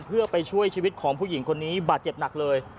เพื่อไปช่วยชีวิตของผู้หญิงคนนี้บาดเจ็บหนักเลย